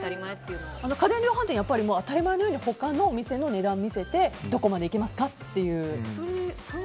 家電量販店は当たり前のように他のお店の値段見せてどこまでいけますかって言う。